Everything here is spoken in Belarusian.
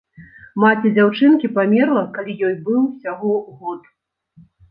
Маці дзяўчынкі памерла, калі ёй быў усяго год.